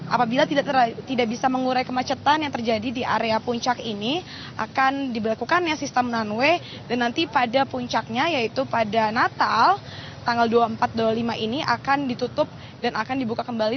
apabila tidak bisa mengurai kemacetan yang terjadi di area puncak ini akan diberlakukannya sistem one way dan nanti pada puncaknya yaitu pada natal tanggal dua puluh empat dua puluh lima ini akan ditutup dan akan dibuka kembali